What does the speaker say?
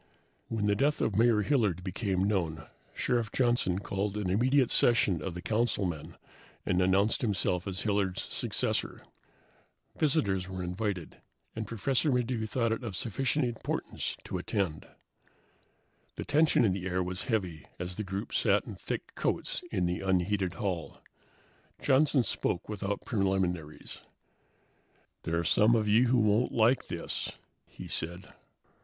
When the death of Mayor Hilliard became known, Sheriff Johnson called an immediate session of the councilmen and announced himself as Hilliard's successor. Visitors were invited, and Professor Maddox thought it of sufficient importance to attend. The tension in the air was heavy as the group sat in thick coats in the unheated hall. Johnson spoke without preliminaries. "There are some of you who won't like this," he said.